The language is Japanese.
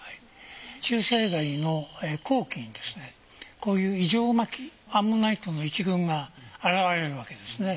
中生代の後期にですねこういう異常巻きアンモナイトの一群が現れるわけですね。